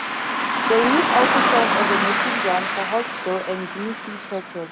The reefs also serve as a nesting ground for Hawksbill and Green sea turtles.